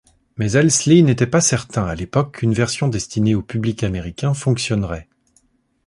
Mais Elsley n'était pas certain à l'époque qu'une version destinée au public américain fonctionnerait.